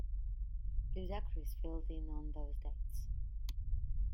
Ludacris filled in on those dates.